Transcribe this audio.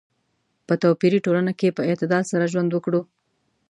په توپیري ټولنه کې په اعتدال سره ژوند وکړو.